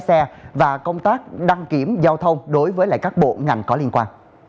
không có nhiễn được cái gì nữa